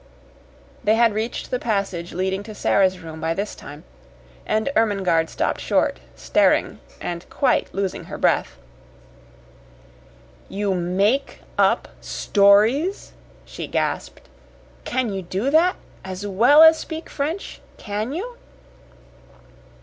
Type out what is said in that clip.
They had reached the passage leading to Sara's room by this time, and Ermengarde stopped short, staring, and quite losing her breath. "You MAKE up stories!" she gasped. "Can you do that as well as speak French? CAN you?"